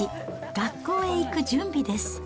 学校へ行く準備です。